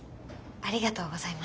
ありがとうございます。